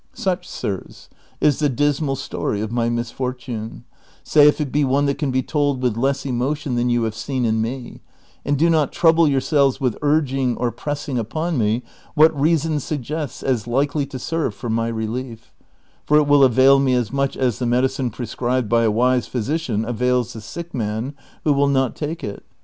Such, sirs, is the dismal story of my misfortune : say if it be one that can be told with less emotion than you have seen in me ; and do not trouble youi'selves with urging or pressing upon me what reason suggests as likely to serve for my relief, for it will avail me as much as the medicine prescribed by a wise physician avails the sick man who will not take it.